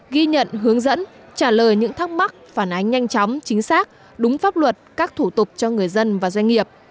ghi nhận hướng dẫn trả lời những thắc mắc phản ánh nhanh chóng chính xác đúng pháp luật các thủ tục cho người dân và doanh nghiệp